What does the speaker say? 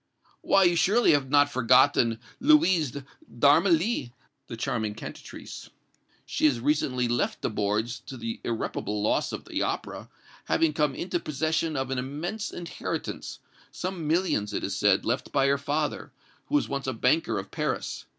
"Why, you surely have not forgotten Louise d'Armilly, the charming cantatrice! She has recently left the boards, to the irreparable loss of the opera, having come into possession of an immense inheritance some millions, it is said, left by her father, who was once a banker of Paris.